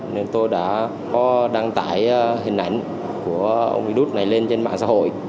nên tôi đã có đăng tải hình ảnh của ông virus này lên trên mạng xã hội